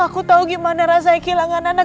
aku tahu gimana rasanya kehilangan anak